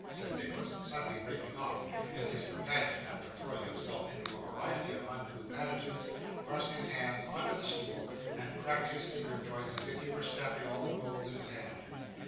said Nicholas, suddenly breaking off, as his companion, after throwing himself into a variety of uncouth attitudes, thrust his hands under the stool, and cracked his finger joints as if he were snapping all the bones in his hands.